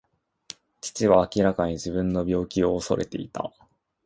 父は明らかに自分の病気を恐れていた。